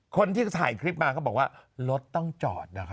คนที่ถ่ายคลิปมาก็บอกว่ารถต้องจอดนะคะ